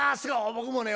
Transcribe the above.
僕もね